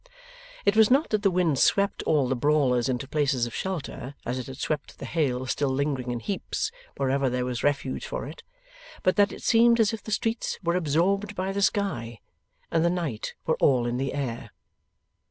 It was not that the wind swept all the brawlers into places of shelter, as it had swept the hail still lingering in heaps wherever there was refuge for it; but that it seemed as if the streets were absorbed by the sky, and the night were all in the air.